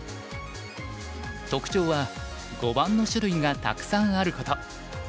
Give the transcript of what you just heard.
特徴は碁盤の種類がたくさんあること。